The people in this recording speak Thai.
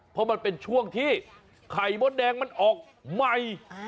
เพราะมันเป็นช่วงที่ไข่มดแดงมันออกใหม่